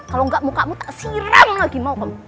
kalau enggak mukamu tak siram lagi mau kamu